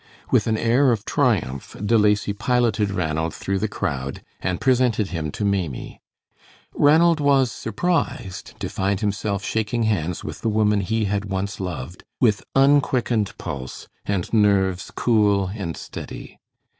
With an air of triumph, De Lacy piloted Ranald through the crowd and presented him to Maimie. Ranald was surprised to find himself shaking hands with the woman he had once loved, with unquickened pulse and nerves cool and steady.